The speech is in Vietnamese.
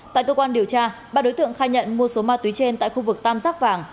tại cơ quan điều tra ba đối tượng khai nhận mua số ma túy trên tại khu vực tam giác vàng